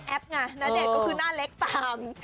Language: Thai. ไงณเดชน์ก็คือหน้าเล็กตาม